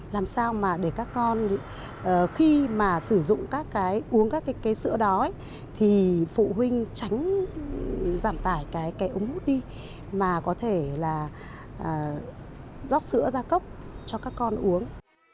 làm sao mà để các con khi mà sử dụng các cái uống các cái sữa đó thì phụ huynh tránh giảm tải cái ống hút đi mà có thể là rót sữa ra cốc cho các con uống